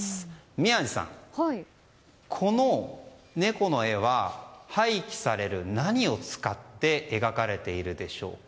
宮司さん、この猫の絵は廃棄される何を使って描かれているでしょうか？